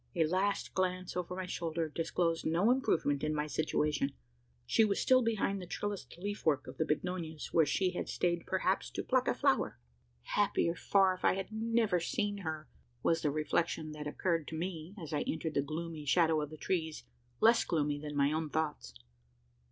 A last glance over my shoulder disclosed no improvement in my situation: she was still behind the trellised leaf work of the bignonias, where she had stayed perhaps to pluck a flower. "Happier far if I had never seen her!" was the reflection that occurred to me, as I entered the gloomy shadow of the trees less gloomy than my own thoughts.